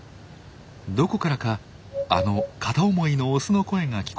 どこからかあの片思いのオスの声が聞こえてきます。